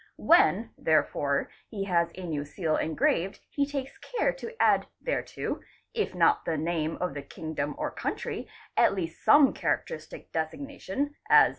When therefore he has a new seal engraved he takes care to add thereto, if not the name of the kingdom or country at least some characteristic designation, as, ¢.